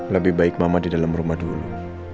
lebih baik mama di dalam rumah dulu